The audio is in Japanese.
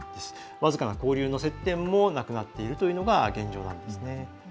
僅かな交流の接点もなくなっているのが現状なんです。